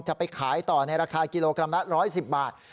จะไปขายต่อในราคากิโลกรัมละ๑๑๐บาท